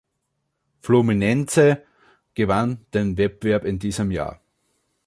Fluminense gewann den Wettbewerb in diesem Jahr.